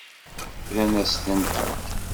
Rran-as-tent-id.